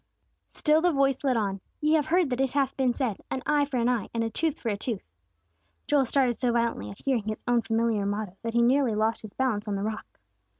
Still the voice led on, "Ye have heard that it hath been said, 'An eye for an eye and a tooth for a tooth.'" Joel started so violently at hearing his own familiar motto, that he nearly lost his balance on the rock.